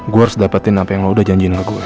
gue harus dapetin apa yang lo udah janjiin ke gue